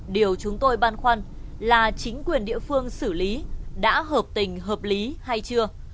điều chúng tôi băn khoăn là chính quyền địa phương xử lý đã hợp tình hợp lý hay chưa